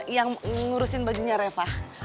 yang ngurusin bajunya reva